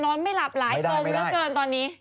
นอนไม่หลับหรายทงแล้วเกินตอนนี้